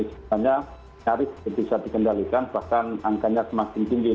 sebenarnya nyaris bisa dikendalikan bahkan angkanya semakin tinggi